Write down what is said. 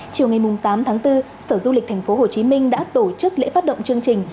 mùng tám tháng bốn sở du lịch tp hcm đã tổ chức lễ phát động chương trình